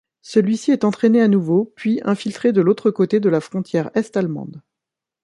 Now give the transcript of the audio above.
Celui-ci est entraîné à nouveau, puis infiltré de l'autre côté de la frontière est-allemande.